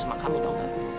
semua sama kamu tau gak